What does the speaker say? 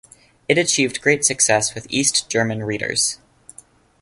It achieved great success with East German readers.